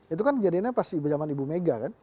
itu kan kejadiannya pas zaman ibu mega kan